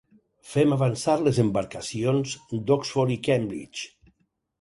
Fem avançar les embarcacions d'Oxford i Cambridge.